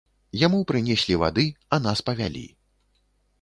Яму прынеслі вады, а нас павялі.